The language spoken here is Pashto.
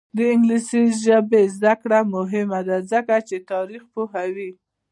د انګلیسي ژبې زده کړه مهمه ده ځکه چې تاریخ پوهوي.